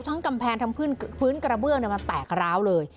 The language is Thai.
กำแพงทั้งพื้นกระเบื้องมันแตกร้าวเลย